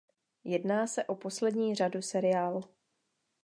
Jedná se o poslední řadu seriálu.